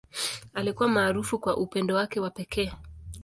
Alikuwa maarufu kwa upendo wake wa pekee.